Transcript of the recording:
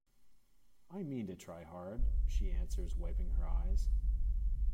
"I mean to try hard," she answers, wiping her eyes.